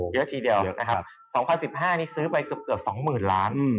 เยอะทีเดียว๒๐๑๕นี่ซื้อไปเกือบ๒หมื่นล้าน